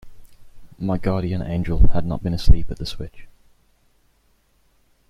My guardian angel had not been asleep at the switch.